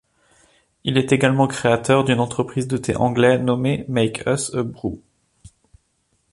Il est également créateur d'une entreprise de thé anglais nommée Make Us A Brew.